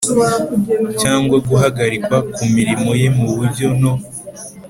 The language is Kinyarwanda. cyangwa guhagarikwa ku mirimo ye mu buryo no